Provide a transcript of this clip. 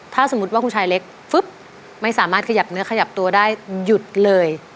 ถ้าสมมุติว่าคุณชายเล็กไม่สามารถขยับเนื้อขยับตัวได้หยุดเลย